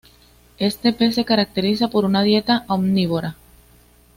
Este pez se caracteriza por una dieta omnívora.